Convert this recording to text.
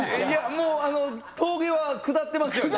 もうあの峠は下ってますよね